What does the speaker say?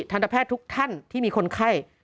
ทันตแพทย์ทุกท่านที่มีคนไข้